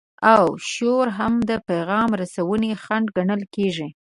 او شور هم د پیغام رسونې خنډ ګڼل کیږي.